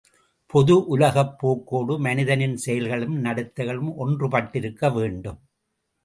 பொது உலகப் போக்கோடு மனிதனின் செயல்களும், நடத்தைகளும் ஒன்றுபட்டிருக்க வேண்டும்.